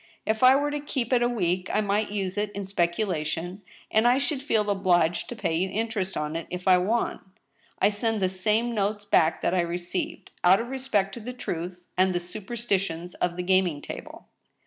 If I were to keep it a week I might use it in specula tion, and I should feel obliged to pay you interest on it if I won. I send the same notes back that I received, out of respect to the truth, and the superstitions of the gaming table.